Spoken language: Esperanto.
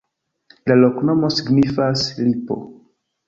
La loknomo signifas: lipo.